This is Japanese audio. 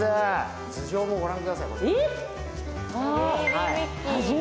頭上を御覧ください。